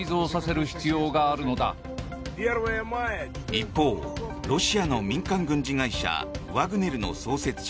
一方、ロシアの民間軍事会社ワグネルの創設者